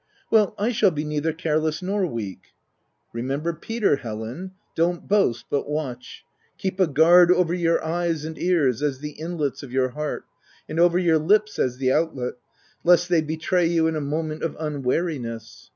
5 ' Well, I shall be neither careless nor weak/' " Remember Peter, Helen ! Don't boast, but n 3 274 THE TENANT tcatch. Keep a guard over your eyes and ears as the inlets of your heart, and over your lips as the outlet, lest they betray you in a moment of unwariness.